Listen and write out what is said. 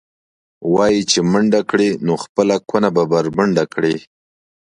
وایي چې منډه کړې، نو خپله کونه به بربنډه کړې.